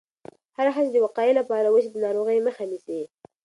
هره هڅه چې د وقایې لپاره وشي، د ناروغیو مخه نیسي.